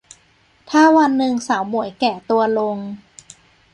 ถ้าวันนึงสาวหมวยแก่ตัวลง